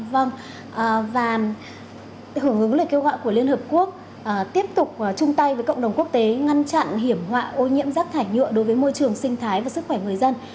vâng và hưởng ứng lời kêu gọi của liên hợp quốc tiếp tục chung tay với cộng đồng quốc tế ngăn chặn hiểm họa ô nhiễm rác thải nhựa đối với môi trường sinh thái và sức khỏe người dân